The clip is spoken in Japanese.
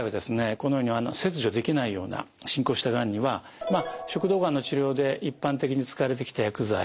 このように切除できないような進行したがんには食道がんの治療で一般的に使われてきた薬剤を使っていました。